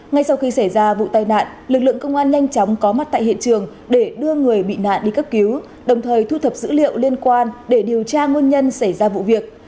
ngay sau khi xảy ra vụ tai nạn lực lượng công an nhanh chóng có mặt tại hiện trường để đưa người bị nạn đi cấp cứu đồng thời thu thập dữ liệu liên quan để điều tra nguyên nhân xảy ra vụ việc